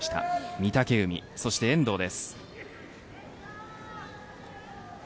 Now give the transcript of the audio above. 御嶽海、そして遠藤です。